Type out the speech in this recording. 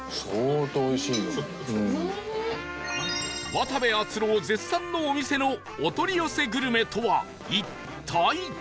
渡部篤郎絶賛のお店のお取り寄せグルメとは一体？